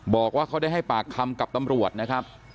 บอกว่าเขาได้ให้ปากคำกับตำรวจนะครับ